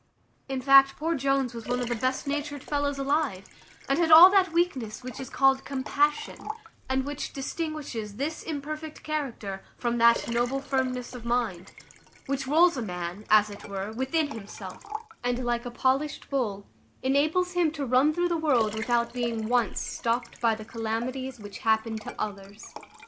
In fact, poor Jones was one of the best natured fellows alive, and had all that weakness which is called compassion, and which distinguishes this imperfect character from that noble firmness of mind, which rolls a man, as it were, within himself, and like a polished bowl, enables him to run through the world without being once stopped by the calamities which happen to others.